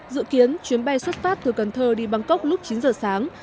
dự kiến chuyến bay xuất phát từ cần thơ đi bangkok lúc chín giờ sáng